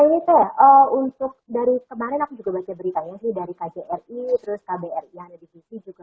ini teh untuk dari kemarin aku juga baca beritanya sih dari kjri terus kbri yang ada di sini juga